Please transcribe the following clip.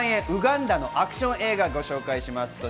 ウガンダのアクション映画をご紹介します。